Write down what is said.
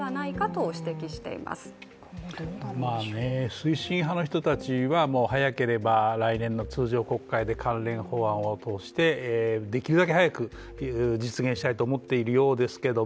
推進派の人たちは早ければ来年の通常国会で関連法案を通して、できるだけ早く実現したいと思ってるようですけど